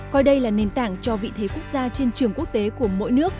coi đây là nền tảng cho vị thế quốc gia trên trường quốc tế của mỗi nước